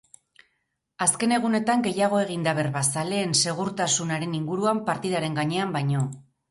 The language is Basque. Azken egunetan gehiago egin da berba zaleen segurtasunaren inguruan partidaren gainean baino.